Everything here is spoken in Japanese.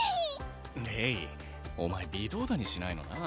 レイお前微動だにしないのな